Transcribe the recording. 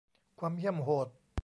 ความเหี้ยมโหด